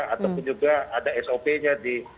ataupun juga ada sop nya di